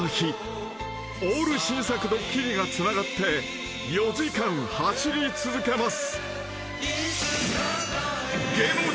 ［オール新作ドッキリがつながって４時間走り続けます］